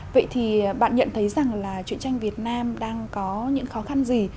vậy thì bạn nhận thấy rằng là chuyện tranh việt nam đang có những khó khăn gì